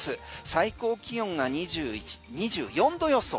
最高気温が２４度予想。